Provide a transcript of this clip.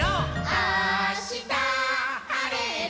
「あしたはれたら」